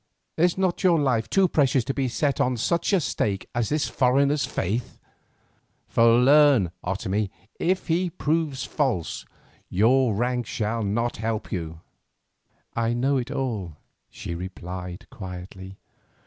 Is not your life too precious to be set on such a stake as this foreigner's faith? for learn, Otomie, if he proves false your rank shall not help you." "I know it all," she replied quietly.